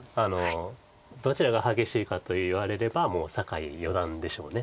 どちらが激しいかと言われればもう酒井四段でしょう。